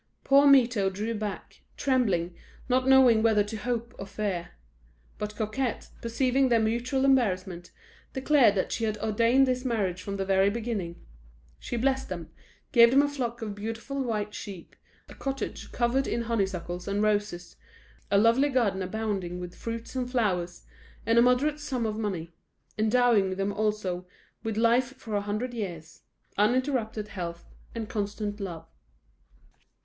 Poor Mirto drew back, trembling, not knowing whether to hope or fear; but Coquette, perceiving their mutual embarrassment, declared that she had ordained this marriage from the very beginning. She blessed them, gave them a flock of beautiful white sheep, a cottage covered with honeysuckles and roses, a lovely garden abounding with fruits and flowers, and a moderate sum of money; endowing them also with life for a hundred years, uninterrupted health, and constant love.